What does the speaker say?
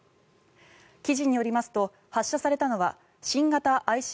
記事によりますと発射されたのは新型ＩＣＢＭ